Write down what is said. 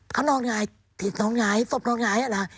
เขานอนไหงติดนอนไหงศพนอนไหง